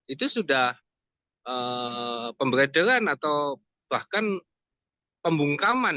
itu sudah pemberederan atau bahkan pembungkaman